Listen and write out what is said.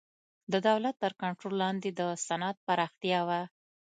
د دولت تر کنټرول لاندې د صنعت پراختیا و.